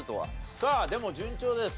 さあでも順調です。